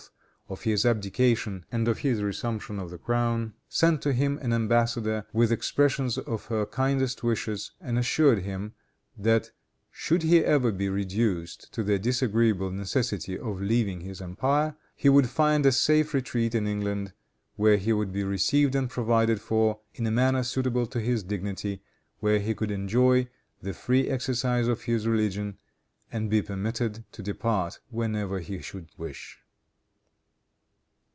of his abdication, and of his resumption of the crown, sent to him an embassador with expressions of her kindest wishes, and assured him that should he ever be reduced to the disagreeable necessity of leaving his empire, he would find a safe retreat in England, where he would be received and provided for in a manner suitable to his dignity, where he could enjoy the free exercise of his religion and be permitted to depart whenever he should wish.